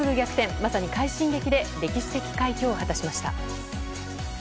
まさに快進撃で歴史的快挙を果たしました。